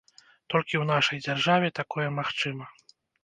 Толькі ў нашай дзяржаве такое магчыма.